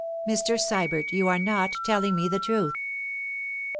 'Mr. Sybert, you are not telling me the truth.